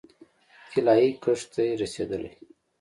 طلايي کښت دې رسیدلی